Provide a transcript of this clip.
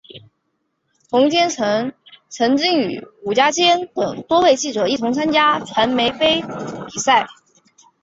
冯坚成曾经与伍家谦等多位记者一同参加传媒杯比赛。